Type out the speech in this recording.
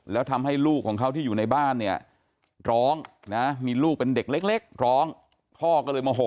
แล้วทำให้ลูกของเขาที่อยู่ในบ้านเนี่ยร้องนะมีลูกเป็นเด็กเล็กร้องพ่อก็เลยโมโห